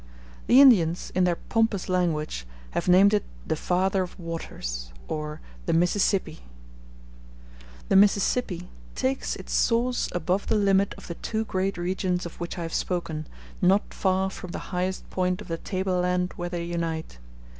The Indians, in their pompous language, have named it the Father of Waters, or the Mississippi. a [ Darby's "View of the United States."] The Mississippi takes its source above the limit of the two great regions of which I have spoken, not far from the highest point of the table land where they unite.